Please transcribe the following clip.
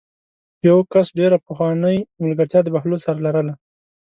یوه کس ډېره پخوانۍ ملګرتیا د بهلول سره لرله.